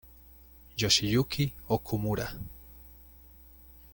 Yoshiyuki Okumura